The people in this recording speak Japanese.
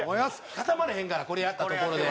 固まらへんからこれやったところで。